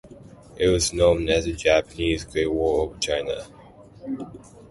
It was known as a Japanese "Great Wall of China".